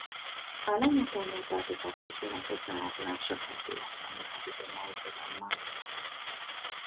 Alanya tengerparti fekvésének köszönhetően sok fesztivált rendeznek itt a nyári szezonban.